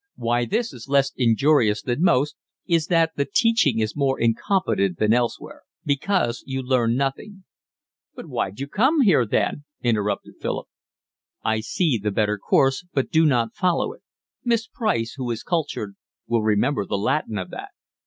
Why this is less injurious than most is that the teaching is more incompetent than elsewhere. Because you learn nothing…." "But why d'you come here then?" interrupted Philip. "I see the better course, but do not follow it. Miss Price, who is cultured, will remember the Latin of that."